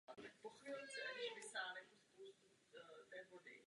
Náplň byla dříve vyráběna většinou z ptačího peří.